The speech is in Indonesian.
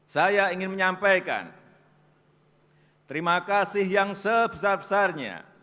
saya ingin menyampaikan terima kasih yang sebesar besarnya